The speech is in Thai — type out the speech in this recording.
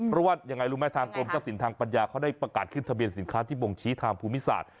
เพราะว่ายังไงรู้ไหมทางกรมทรัพย์สินทางปัญญาเขาได้ประกาศขึ้นทะเบียนสินค้าที่บ่งชี้ทางภูมิศาสตร์